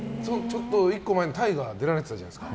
１個前の大河出られてたじゃないですか。